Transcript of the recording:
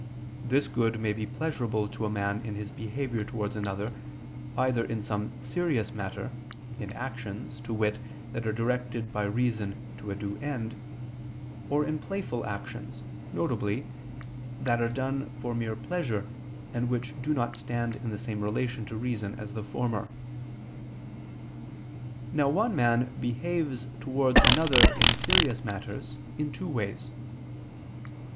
This good may be pleasurable to a man in his behavior towards another either in some serious matter, in actions, to wit, that are directed by reason to a due end, or in playful actions, viz. that are done for mere pleasure, and which do not stand in the same relation to reason as the former. Now one man behaves towards another in serious matters, in two ways.